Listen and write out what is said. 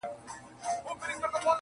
په كوڅو كي يې ژوندۍ جنازې ګرځي.!